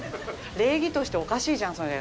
礼儀としておかしいじゃんそれ。